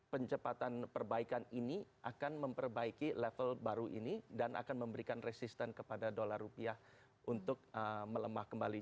pencepatan perbaikan ini akan memperbaiki level baru ini dan akan memberikan resisten kepada dolar rupiah untuk melemah kembali